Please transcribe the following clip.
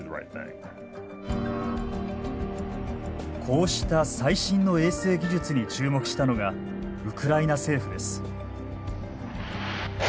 こうした最新の衛星技術に注目したのがウクライナ政府です。